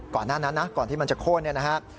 ก่อนที่มันจะโค้นนะครับ